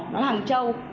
nó là hàng châu